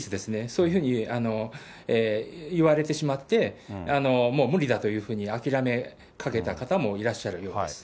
そういうふうに言われてしまって、もう無理だというふうに諦めかけた方もいらっしゃるようです。